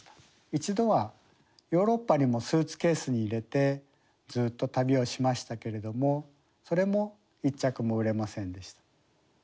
一度はヨーロッパにもスーツケースに入れてずっと旅をしましたけれどもそれも１着も売れませんでした。